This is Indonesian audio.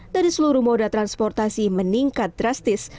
dari seluruh moda transportasi meningkat drastis